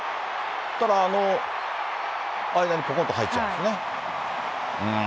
したら、あの間にぽこんと入っちゃったんですね。